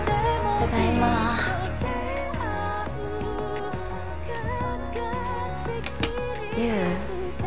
ただいま優？